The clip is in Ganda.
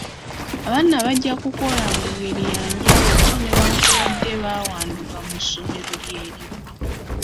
Abaana bajja kukola mu ngeri ya njawulo newankubadde bawanduka mu ssomero lye limu.